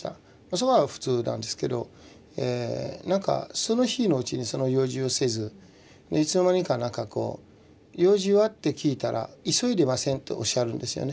それは普通なんですけどなんかその日のうちにその用事をせずいつの間にかなんかこう「用事は？」って聞いたら「急いでません」とおっしゃるんですよね。